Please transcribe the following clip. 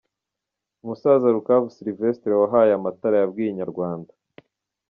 Umusaza Rukavu Sylivestre wahawe aya matara yabwiye Inyarwanda.